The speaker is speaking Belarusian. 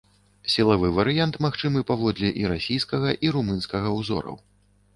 Сілавы варыянт магчымы паводле і расійскага, і румынскага ўзораў.